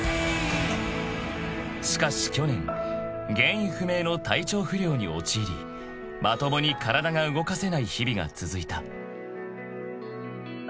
［しかし去年原因不明の体調不良に陥りまともに体が動かせない日々が続いた］